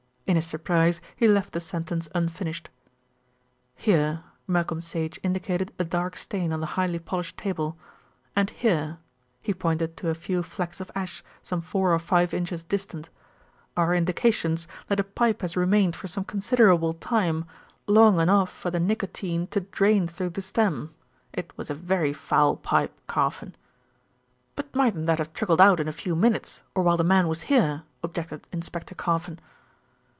In his surprise he left the sentence unfinished. "Here," Malcolm Sage indicated a dark stain on the highly polished table, "and here," he pointed to a few flecks of ash some four or five inches distant, "are indications that a pipe has remained for some considerable time, long enough for the nicotine to drain through the stem; it was a very foul pipe, Carfon." "But mightn't that have trickled out in a few minutes, or while the man was here?" objected Inspector Carfon.